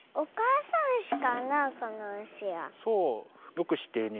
よくしってるね。